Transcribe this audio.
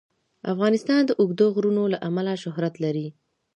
افغانستان د اوږده غرونه له امله شهرت لري.